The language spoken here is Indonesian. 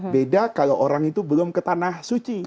beda kalau orang itu belum ke tanah suci